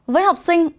với học sinh